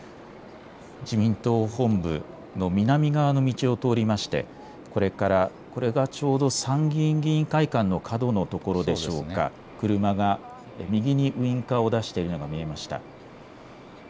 自民党本部の南側の道を通りまして、これがちょうど参議院議員会館の角のところでしょうか、車が右にウインカーを出しているのが見えました。